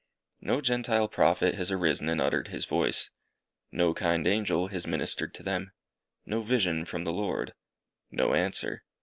No Gentile Prophet has arisen and uttered his voice. No kind angel has ministered to them. No vision from the Lord. No answer.